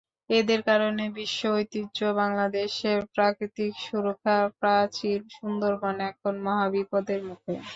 এদের কারণে বিশ্ব ঐতিহ্য, বাংলাদেশের প্রাকৃতিক সুরক্ষা প্রাচীর সুন্দরবন এখন মহাবিপদের মুখে।